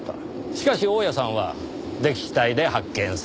しかし大屋さんは溺死体で発見された。